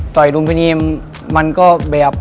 ต่อยลุมพินีมันก็แบบ